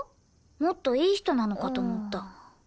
もっといい人なのかと思った。